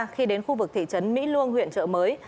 khi đến khu vực thị trấn mỹ luông huyện trợ mới